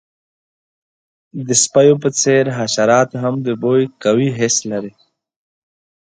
د سپیو په څیر، حشرات هم د بوی قوي حس لري.